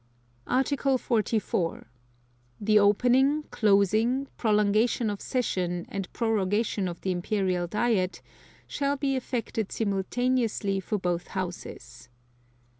Article 44. The opening, closing, prolongation of session and prorogation of the Imperial Diet, shall be effected simultaneously for both Houses.